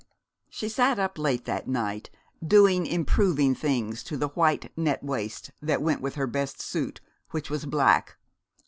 She sat up late that night, doing improving things to the white net waist that went with her best suit, which was black.